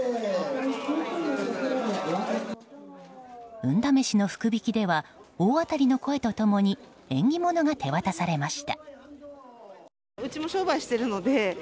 運試しの福引きでは大当たりの声と共に縁起物が手渡されました。